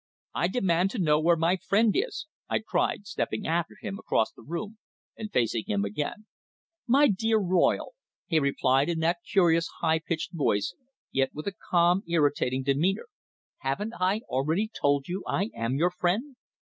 "I demand to know where my friend is!" I cried, stepping after him across the room, and facing him again. "My dear Royle," he replied, in that curious, high pitched voice, yet with a calm, irritating demeanour. "Haven't I already told you I am your friend?"